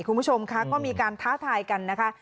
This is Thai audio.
คุณผู้ชมค่ะก็มีการท้าทายกันนะคะ